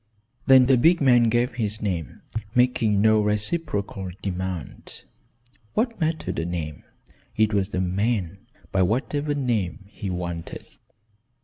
Then the big man gave his name, making no reciprocal demand. What mattered a name? It was the man, by whatever name, he wanted.